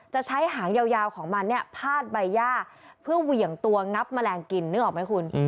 จะใช้หางยาวของมันเนี่ยพาดใบย่าเพื่อเหวี่ยงตัวงับแมลงกินนึกออกไหมคุณ